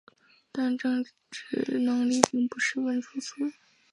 但政治能力并不十分出色。